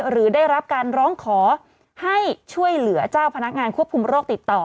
หรือได้รับการร้องขอให้ช่วยเหลือเจ้าพนักงานควบคุมโรคติดต่อ